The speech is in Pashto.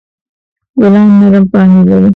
ګلان نرم پاڼې لري.